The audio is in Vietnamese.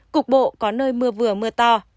cục bộ có nơi mưa vừa mưa to